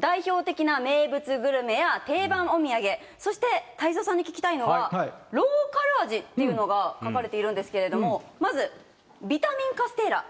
代表的な名物グルメや定番お土産、そして太蔵さんに聞きたいのは、ローカル味っていうのが書かれているんですけれども、ビタミンカステーラ？